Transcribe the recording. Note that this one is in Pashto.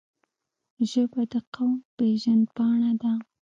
ژبه د قوم پېژند پاڼه ده